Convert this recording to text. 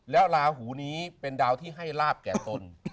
แล้วลาหูนี้เป็นดาวที่ให้ลาบแก่ตน